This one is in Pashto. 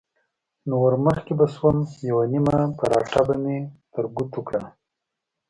نو ورمخکې به شوم، یوه نیمه پراټه به مې تر ګوتو کړه.